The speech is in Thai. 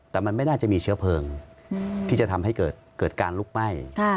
แต่มันไม่น่าจะมีเชื้อเพลิงที่จะทำให้เกิดการลุกไหม้